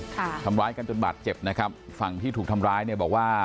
ทำร้ายกันจนบาดเจ็บนะครับฝั่งที่ถูกทำร้ายเนี่ยบอกว่า